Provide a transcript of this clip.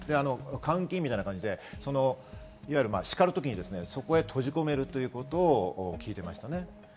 監禁みたいな感じで、いわゆる叱るときにそこへ閉じ込めるということを聞いていましたね。